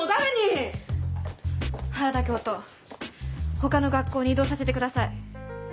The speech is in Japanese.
他の学校に異動させてください。